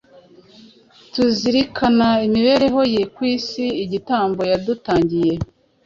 Tuzirikana imibereho ye ku si, igitambo yadutangiye,